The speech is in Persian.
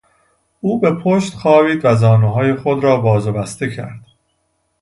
او به پشت خوابید و زانوهای خود را باز و بسته کرد.